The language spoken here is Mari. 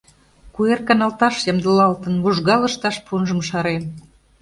Куэр каналташ ямдылалтын, вужга лышташ-пунжым шарен.